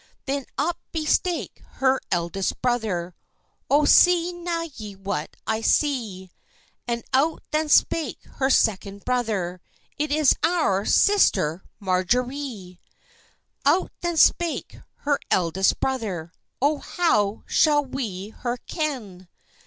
Then up bespake her eldest brother— "Oh, see na ye what I see?" And out then spake her second brother— "It is our sister Marjorie!" Out then spake her eldest brother— "Oh, how shall we her ken?"